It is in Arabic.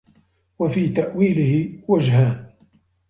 وَفِي تَأْوِيلِهِ وَجْهَانِ